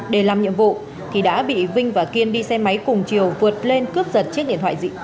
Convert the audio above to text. để làm nhiệm vụ thì đã bị vinh và kiên đi xe máy cùng chiều vượt lên cướp giật chiếc điện thoại di động